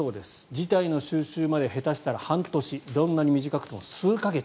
事態の収拾まで下手したら半年どんなに短くても数か月。